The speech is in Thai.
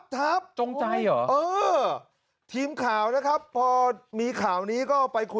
ทับเหรอตรงโลก